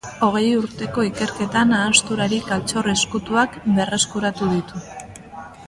Hogei urteko ikerketan ahanzturatik altxor ezkutuak berreskuratu ditu.